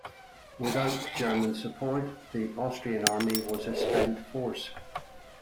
Without German support the Austrian army was a spent force.